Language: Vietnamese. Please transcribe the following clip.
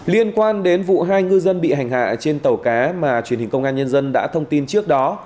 liên quan đến vụ hai ngư dân bị hành hạ trên tàu cá mà truyền hình công an nhân dân đã thông tin trước đó